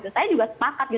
saya juga sepakat